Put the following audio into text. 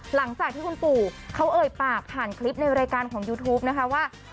หลังจากที่คุณปู่เขาเอ่ยปากผ่านคลิปในรายการของยูทูปนะคะว่า